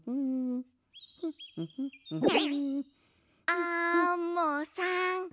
アンモさん。